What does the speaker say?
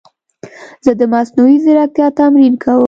زه د مصنوعي ځیرکتیا تمرین کوم.